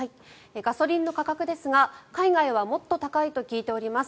ガソリンの価格ですが海外はもっと高いと聞いております。